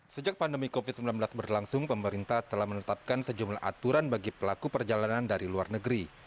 sejak pandemi covid sembilan belas berlangsung pemerintah telah menetapkan sejumlah aturan bagi pelaku perjalanan dari luar negeri